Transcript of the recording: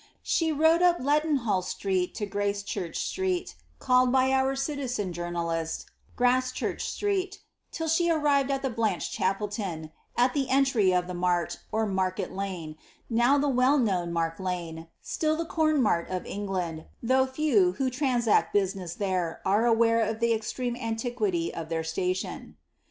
She rode up Leadpn hall street to Gracechurch street, called by our citizen journalist ^Grass^ church street," till she arrived at the Blanch Chapel ton,^ at the entry of the Mart, or Market lane, now the well known Mark lane, still the corn* mart of England, though few who transact business there are aware of the extreme antiquity o( their station.